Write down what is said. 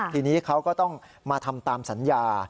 ทีนี้เขาก็ต้องมาทำตามสัญญา